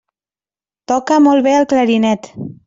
Toca molt bé el clarinet.